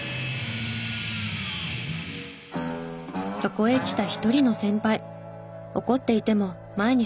そこへ来た一人の先輩。